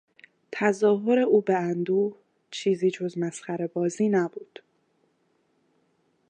تظاهر او به اندوه، چیزی جز مسخرهبازی نبود.